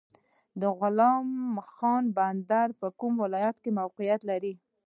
غلام خان بندر په کوم ولایت کې موقعیت لري؟